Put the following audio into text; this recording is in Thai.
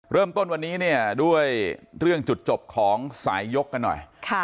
เริ่มต้นวันนี้เนี่ยด้วยเรื่องจุดจบของสายยกกันหน่อย